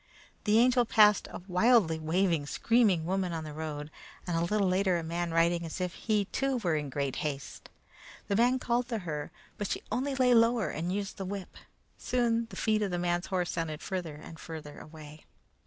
The Angel passed a wildly waving, screaming woman on the road, and a little later a man riding as if he, too, were in great haste. The man called to her, but she only lay lower and used the whip. Soon the feet of the man's horse sounded farther and farther away.